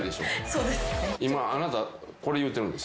そうですね。